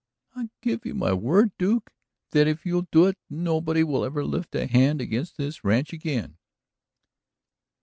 "I give you my word, Duke, that if you'll do it nobody will ever lift a hand against this ranch again."